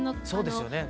そうですよね。